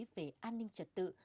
về an ninh trật tự